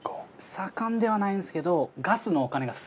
盛んではないんですけど。